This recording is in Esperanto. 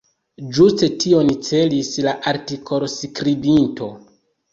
Ĝuste tion celis la artikol-skribinto.